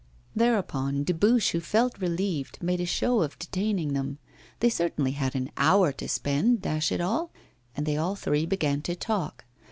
Thereupon, Dubuche, who felt relieved, made a show of detaining them. They certainly had an hour to spare, dash it all! And they all three began to talk.